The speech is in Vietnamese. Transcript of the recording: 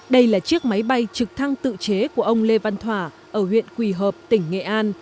đây là chiếc máy bay trực thăng tự chế của ông lê văn thỏa ở huyện quỳ hợp tỉnh nghệ an